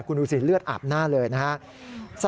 คุณดูสิเลือดอาบหน้าเลยนะครับ